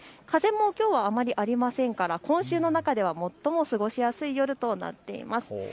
風もきょうはあまりありませんから、今週の中では最も過ごしやすい夜となっています。